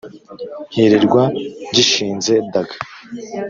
Kirirwa gishinze daga